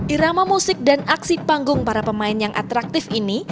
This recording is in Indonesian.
irama musik dan aksi panggung para pemain yang atraktif ini